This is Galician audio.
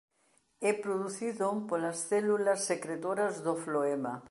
É producido polas células secretoras do floema.